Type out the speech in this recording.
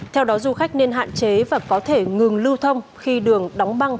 theo đó du khách nên hạn chế và có thể ngừng lưu thông khi đường đóng băng